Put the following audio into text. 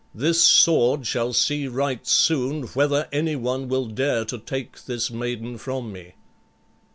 This sword shall see right soon whether any one will dare to take this maiden from me."